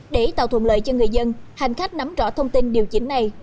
để tạo thuận lợi cho người dân hành khách nắm rõ thông tin điều chỉnh này